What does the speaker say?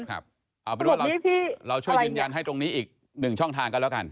เอาเป็นว่าเราช่วยยืนยันให้ตรงนี้อีกหนึ่งช่องทางกันแล้วกัน